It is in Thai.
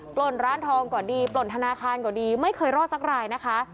ปล่นร้านทองก็ดีปล่นธนาคารก็ดีไม่เคยรอดสักรายนะคะ